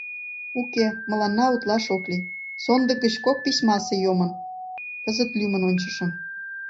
Уке, мыланна утлаш ок лий, сондык гыч кок письмасе йомын... кызыт лӱмын ончышым...